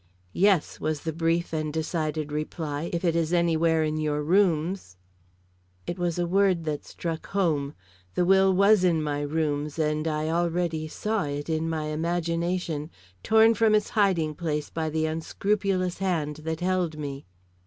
"Yes," was the brief and decided reply, "if it is anywhere in your rooms." It was a word that struck home. The will was in my rooms, and I already saw it, in my imagination, torn from its hiding place by the unscrupulous hand that held me.